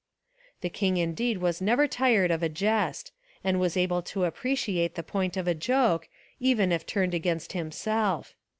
The king indeed was never tired of a jest, and was able to appreciate the point of a joke, even if turned against himself.